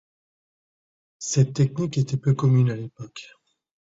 Cette technique était peu commune à l'époque.